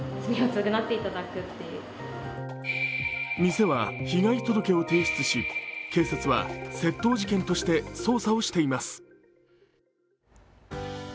店は被害届を提出し警察は窃盗事件として捜査しています。